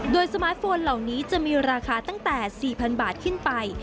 โดยสมาร์ทโฟนเหล่านี้จะมีราคาตั้งแต่๔๐๐๐บาทขึ้นไป